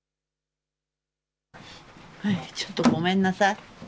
ちょっとごめんなさい。